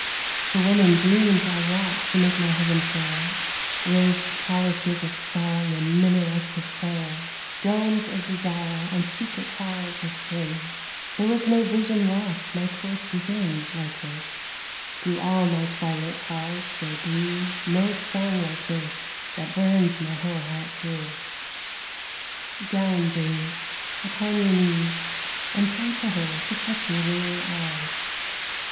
For when in dreams I wrought to make my heaven fair, Raised palaces of song and minarets of prayer, Domes of desire and secret halls of sin, There was no vision walked my courts within Like this, through all my twilit halls there blew No song like this that burns my whole heart through 63 DAWN LOVE Down dreams, upon your knees, and pray to her To touch your weary eyes